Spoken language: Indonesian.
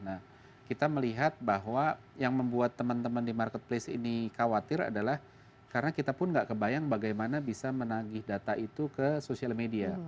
nah kita melihat bahwa yang membuat teman teman di marketplace ini khawatir adalah karena kita pun nggak kebayang bagaimana bisa menagih data itu ke sosial media